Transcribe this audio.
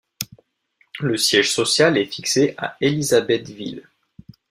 Le siège social est fixé à Élisabethville.